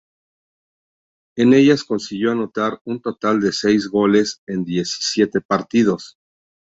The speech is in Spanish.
En ellas consiguió anotar un total de seis goles en diecisiete partidos.